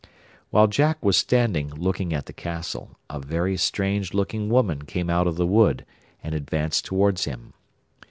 While Jack was standing looking at the castle, a very strange looking woman came out of the wood, and advanced towards him.